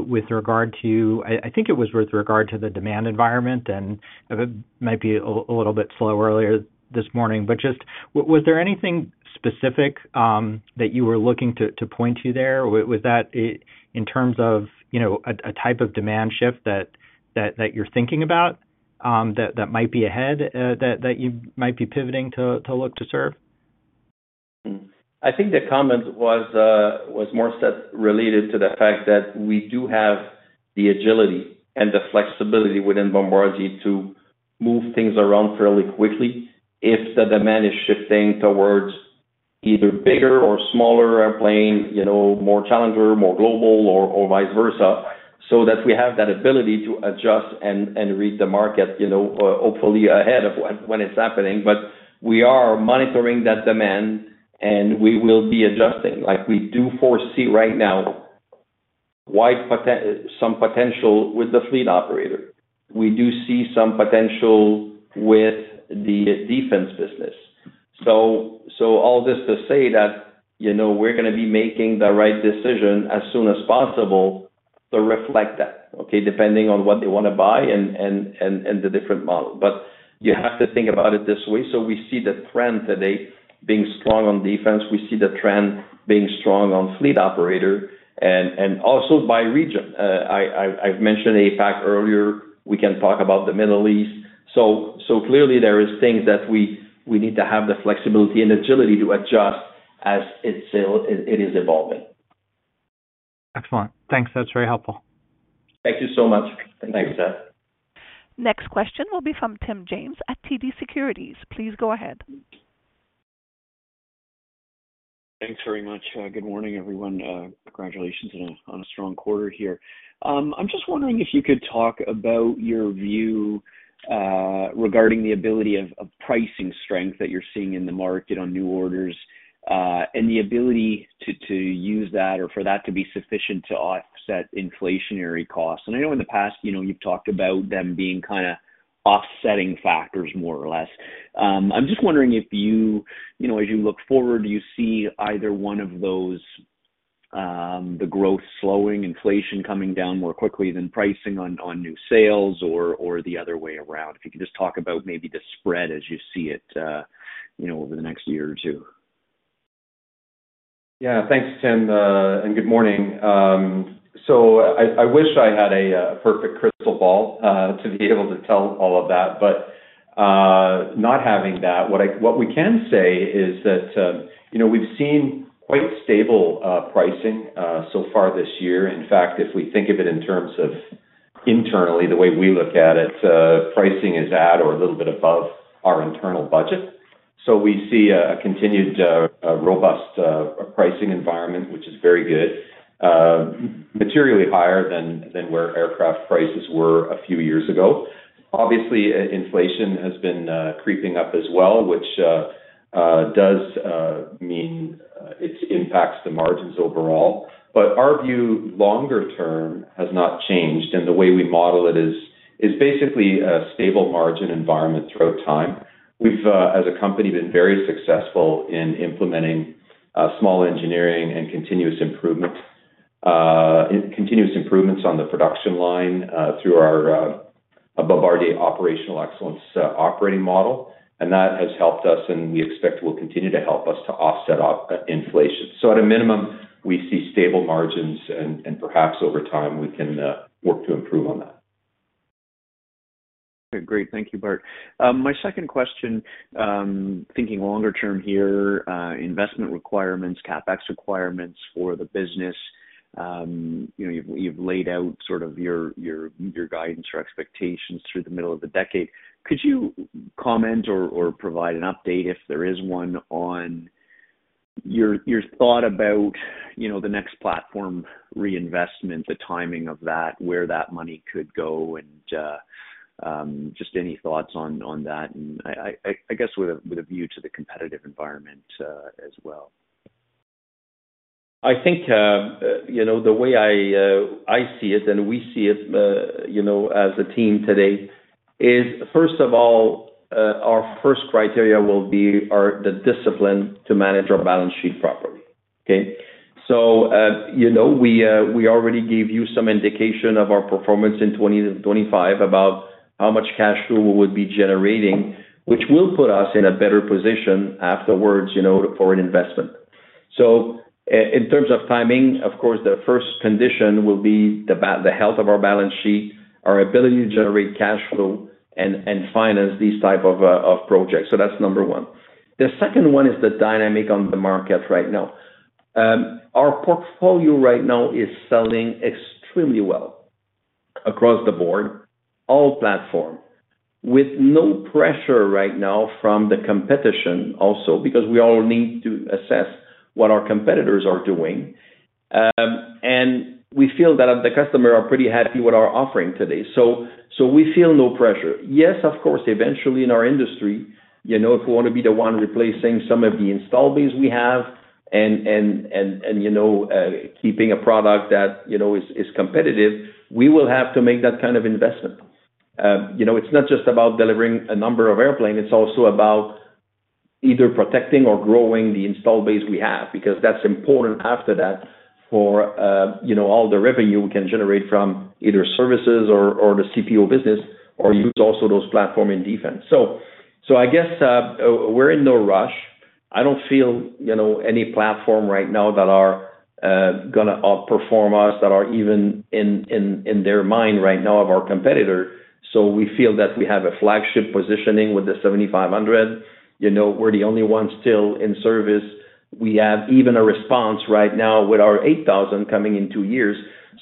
with regard to the demand environment, and it might be a, a little bit slow earlier this morning, but just was, was there anything specific that you were looking to, to point to there? Was that in terms of, you know, a, a type of demand shift that, that, that you're thinking about, that, that might be ahead, that, that you might be pivoting to, to look to serve? I think the comment was, was more so related to the fact that we do have the agility and the flexibility within Bombardier to move things around fairly quickly if the demand is shifting towards either bigger or smaller airplane, you know, more Challenger, more Global or vice versa. That we have that ability to adjust and, and read the market, you know, hopefully ahead of when, when it's happening. We are monitoring that demand, and we will be adjusting, like we do foresee right now, wide pote-- some potential with the fleet operator. We do see some potential with the defense business. All this to say that, you know, we're gonna be making the right decision as soon as possible to reflect that, okay? Depending on what they want to buy and, and, and, and the different model. You have to think about it this way. We see the trend today being strong on defense. We see the trend being strong on fleet operator and also by region. I've mentioned APAC earlier. We can talk about the Middle East. Clearly there is things that we need to have the flexibility and agility to adjust as it still is evolving. Excellent. Thanks. That's very helpful. Thank you so much. Thanks, Seth. Next question will be from Tim James at TD Securities. Please go ahead. Thanks very much. Good morning, everyone. Congratulations on a, on a strong quarter here. I'm just wondering if you could talk about your view regarding the ability of, of pricing strength that you're seeing in the market on new orders, and the ability to, to use that or for that to be sufficient to offset inflationary costs. I know in the past, you know, you've talked about them being kind of offsetting factors, more or less. I'm just wondering if as you look forward, do you see either one of those, the growth slowing, inflation coming down more quickly than pricing on new sales, or the other way around? If you could just talk about maybe the spread as you see it, you know, over the next year or two. Yeah. Thanks, Tim, and good morning. I wish I had a perfect crystal ball to be able to tell all of that. Not having that, what we can say is that, you know, we've seen quite stable pricing so far this year. In fact, if we think of it in terms of internally, the way we look at it, pricing is at or a little bit above our internal budget. We see a continued, a robust pricing environment, which is very good. Materially higher than where aircraft prices were a few years ago. Obviously, inflation has been creeping up as well, which does mean it impacts the margins overall. Our view, longer term, has not changed, and the way we model it is basically a stable margin environment throughout time. We've, as a company, been very successful in implementing small engineering and continuous improvements. Continuous improvements on the production line, through our Bombardier Operational Excellence operating model, and that has helped us, and we expect will continue to help us to offset inflation. At a minimum, we see stable margins, and perhaps over time, we can work to improve on that. Okay, great. Thank you, Bart. My second question, thinking longer term here, investment requirements, CapEx requirements for the business. You know, you've laid out sort of your, your, your guidance or expectations through the middle of the decade. Could you comment or, or provide an update, if there is one, on your thought about, you know, the next platform reinvestment, the timing of that, where that money could go, and just any thoughts on that? I guess with a view to the competitive environment, as well. I think, you know, the way I see it, and we see it, you know, as a team today, is, first of all, our first criteria will be, are the discipline to manage our balance sheet properly. Okay. We, you know, we already gave you some indication of our performance in 2020-2025, about how much cash flow we would be generating, which will put us in a better position afterwards, you know, for an investment. In terms of timing, of course, the first condition will be the health of our balance sheet, our ability to generate cash flow, and finance these type of projects. That's number one. The second one is the dynamic on the market right now. Our portfolio right now is selling extremely well across the board, all platform, with no pressure right now from the competition also, because we all need to assess what our competitors are doing. We feel that the customer are pretty happy with our offering today, so, so we feel no pressure. Yes, of course, eventually in our industry, you know, if we want to be the one replacing some of the install base we have, and, you know, keeping a product that, you know, is, is competitive, we will have to make that kind of investment. You know, it's not just about delivering a number of airplane, it's also about either protecting or growing the installed base we have, because that's important after that for, you know, all the revenue we can generate from either services or, or the CPO business, or use also those platform in defense. I guess, we're in no rush. I don't feel, you know, any platform right now that are gonna outperform us, that are even in their mind right now of our competitor. We feel that we have a flagship positioning with the 7500. You know, we're the only ones still in service. We have even a response right now with our 8000 coming in two years.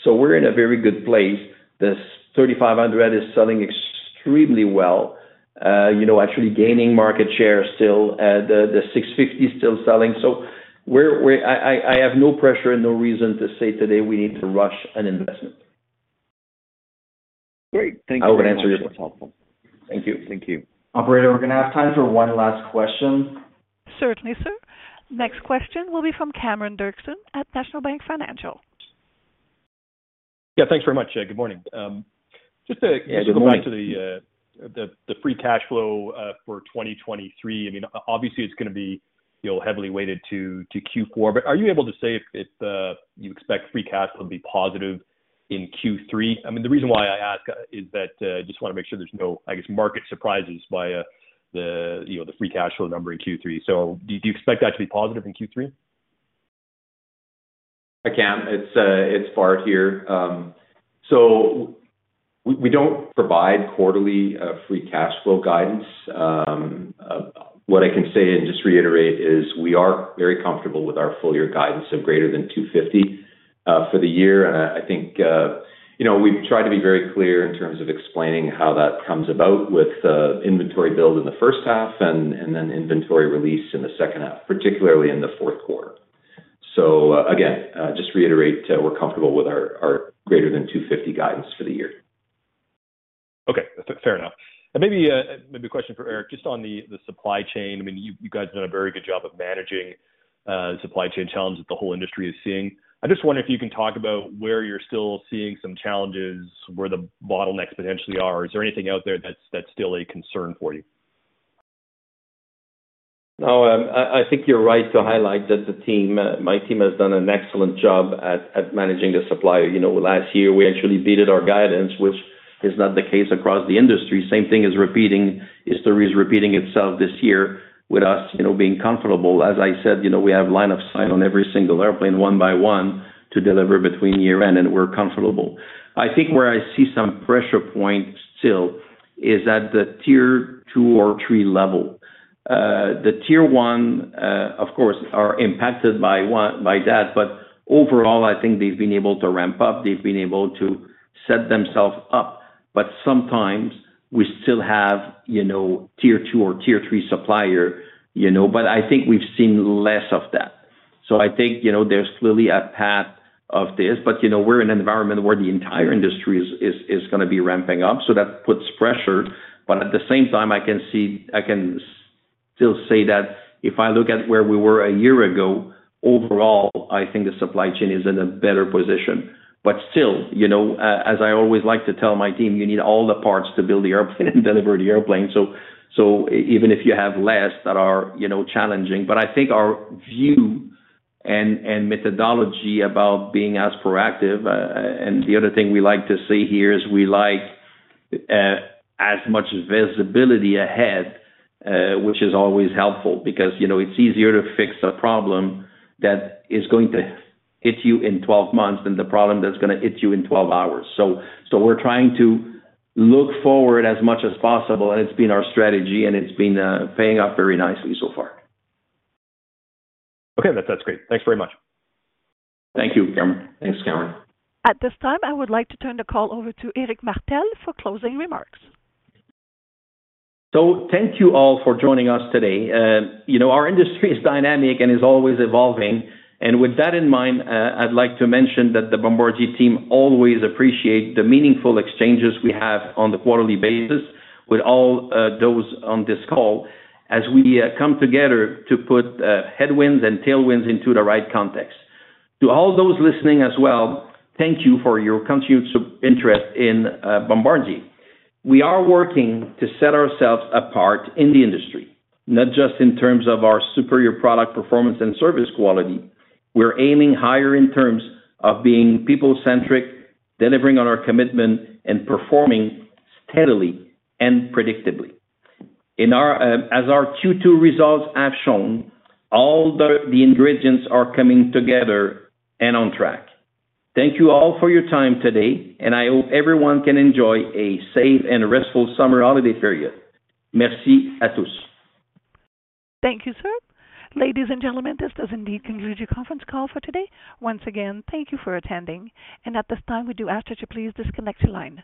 We're in a very good place. The Challenger 3500 is selling extremely well, you know, actually gaining market share still. The Challenger 650 is still selling. So we're have no pressure and no reason to say today we need to rush an investment. Great. Thank you. I hope I answered your... That's helpful. Thank you. Thank you. Operator, we're gonna have time for one last question. Certainly, sir. Next question will be from Cameron Doerksen at National Bank Financial. Yeah, thanks very much. Good morning. Just to go back to the free cash flow for 2023. I mean, obviously, it's gonna be, you know, heavily weighted to, to Q4, but are you able to say if, if, you expect free cash flow to be positive in Q3? I mean, the reason why I ask is that, I just wanna make sure there's no, I guess, market surprises via the free cash flow number in Q3. Do, do you expect that to be positive in Q3? I can. It's, it's Bart here. We don't provide quarterly, free cash flow guidance. What I can say, and just to reiterate, is we are very comfortable with our full year guidance of greater than $250 for the year. I think, you know, we've tried to be very clear in terms of explaining how that comes about with inventory build in the first half and, and then inventory release in the second half, particularly in the fourth quarter. Again, just to reiterate, we're comfortable with our, our greater than $250 guidance for the year. Okay, fair enough. And maybe, maybe a question for Éric, just on the, the supply chain. I mean, you, you guys have done a very good job of managing, supply chain challenges that the whole industry is seeing. I just wonder if you can talk about where you're still seeing some challenges, where the bottlenecks potentially are. Is there anything out there that's, that's still a concern for you? No, I think you're right to highlight that the team, my team has done an excellent job at managing the supply. You know, last year, we actually beat our guidance, which is not the case across the industry. Same thing is repeating, history is repeating itself this year with us, you know, being comfortable. As I said, you know, we have line of sight on every single airplane, one by one, to deliver between year-end, and we're comfortable. I think where I see some pressure points still is at the Tier 2 or 3 level. The Tier 1, of course, are impacted by that, but overall, I think they've been able to ramp up. They've been able to set themselves up. Sometimes we still have, you know, Tier 2 or Tier 3 supplier, you know. I think, you know, there's clearly a path of this, but, you know, we're in an environment where the entire industry is gonna be ramping up, so that puts pressure. At the same time, I can see-- I can still say that if I look at where we were a year ago, overall, I think the supply chain is in a better position. Still, you know, as I always like to tell my team, "You need all the parts to build the airplane and deliver the airplane." Even if you have less that are, you know, challenging. I think our view and, and methodology about being as proactive, and the other thing we like to say here is we like, as much visibility ahead, which is always helpful. Because, you know, it's easier to fix a problem that is going to hit you in 12 months than the problem that's gonna hit you in 12 hours. We're trying to look forward as much as possible, and it's been our strategy, and it's been paying off very nicely so far. Okay, that's great. Thanks very much. Thank you, Cameron. Thanks, Cameron. At this time, I would like to turn the call over to Éric Martel for closing remarks. Thank you all for joining us today. you know, our industry is dynamic and is always evolving. With that in mind, I'd like to mention that the Bombardier team always appreciate the meaningful exchanges we have on the quarterly basis with all those on this call, as we come together to put headwinds and tailwinds into the right context. To all those listening as well, thank you for your continued interest in Bombardier. We are working to set ourselves apart in the industry, not just in terms of our superior product performance and service quality. We're aiming higher in terms of being people-centric, delivering on our commitment, and performing steadily and predictably. As our Q2 results have shown, all the ingredients are coming together and on track. Thank you all for your time today, and I hope everyone can enjoy a safe and restful summer holiday period. Thank you, sir. Ladies and gentlemen, this does indeed conclude your conference call for today. Once again, thank you for attending, and at this time, we do ask that you please disconnect your line.